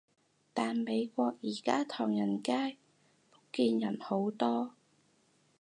但美國而家唐人街，福建人好多